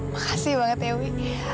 makasih banget dewi